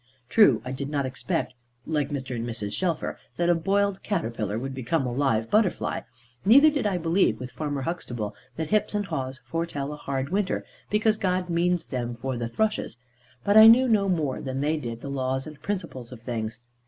True, I did not expect (like Mr. and Mrs. Shelfer) that a boiled caterpillar would become a live butterfly; neither did I believe, with Farmer Huxtable, that hips and haws foretell a hard winter, because God means them for the thrushes; but I knew no more than they did the laws and principles of things.